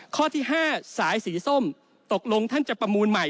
ข้อที่๕สายสีส้มตกลงท่านจะประมูลใหม่